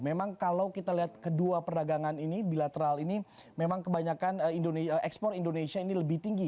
memang kalau kita lihat kedua perdagangan ini bilateral ini memang kebanyakan ekspor indonesia ini lebih tinggi